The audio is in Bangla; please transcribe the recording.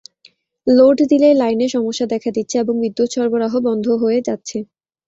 লোড দিলেই লাইনে সমস্যা দেখা দিচ্ছে এবং বিদ্যুৎ সরবরাহ বন্ধ হয়ে যাচ্ছে।